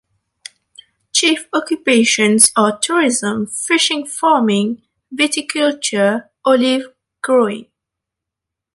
Chief occupations aretourism, fishing farming, viticulture, olive growing.